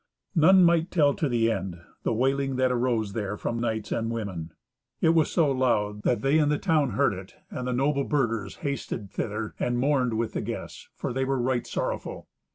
None might tell to the end the wailing that arose there from knights and women. It was so loud that they in the town heard it, and the noble burghers hasted thither, and mourned with the guests, for they were right sorrowful.